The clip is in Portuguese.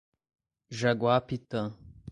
Jaguapitã